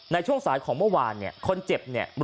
ในช่วงสายของเมื่อวานเนี่ยคนเจ็บเนี่ย